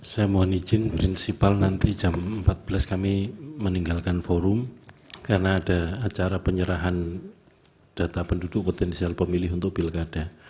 saya mohon izin prinsipal nanti jam empat belas kami meninggalkan forum karena ada acara penyerahan data penduduk potensial pemilih untuk pilkada